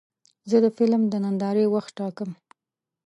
زه د فلم د نندارې وخت ټاکم.